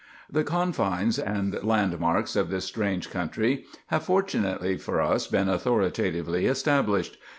The confines and landmarks of this strange country have, fortunately for us, been authoritatively established.